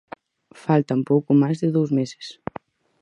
Faltan pouco máis de dous meses.